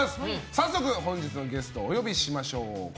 早速本日のゲストをお呼びしましょう。